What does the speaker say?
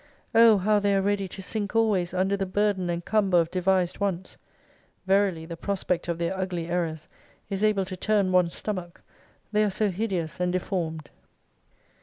Oh how they are ready to sink always under the burden and cumber of devised wants ! Verily, the prospect of their ugly errors, is able to turn one's stomach : they are so hideous and deformed.